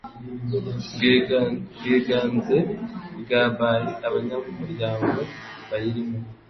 bwiganze bwa by abanyamuryango bayirimo